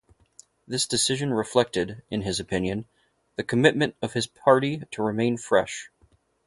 This decision reflected, in his opinion, the commitment of his party to remain fresh.